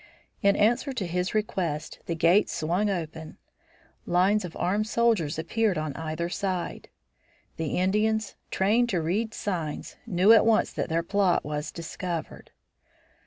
In answer to his request the gates swung open. Lines of armed soldiers appeared on either side. The Indians, trained to read signs, knew at once that their plot was discovered.